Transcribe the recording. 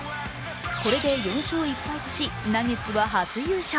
これで４勝１敗とし、ナゲッツは初優勝。